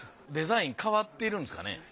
デザイン変わってるんですかね？